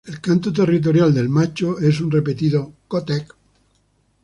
El canto territorial del macho es un repetido "ko-tek".